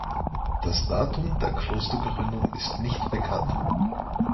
Das Datum der Klostergründung ist nicht bekannt.